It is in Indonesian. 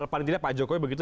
paling tidak pak jokowi begitu